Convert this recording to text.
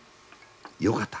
よかった。